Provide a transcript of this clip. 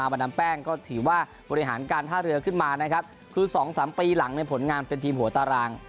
บริหารการท่าเรือขึ้นมานะครับคือสองสามปีหลังในผลงานเป็นทีมหัวตาราง